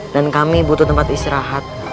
dan kami butuh tempat istirahat